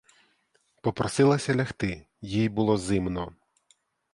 Попросилася лягти, їй було зимно.